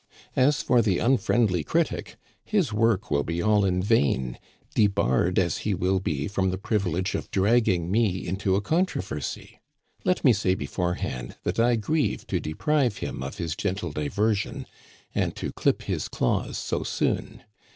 As for the unfriendly critic, his work will be all in vain, debarred as he will be from the privilege of dragging me into a controversy. Let me say beforehand that I grieve to deprive him of his gentle diversion, and to clip his claws so soon.